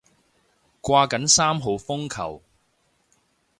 掛緊三號風球